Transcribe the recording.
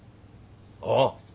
ああ。